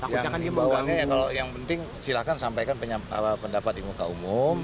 yang imbauannya ya kalau yang penting silahkan sampaikan pendapat di muka umum